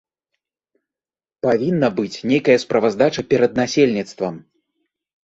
Павінна быць нейкая справаздача перад насельніцтвам.